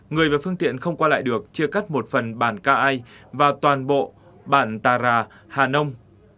người và phương tiện không qua lại được chia cắt một phần bản ca ai và toàn bộ bản tà rà hà nông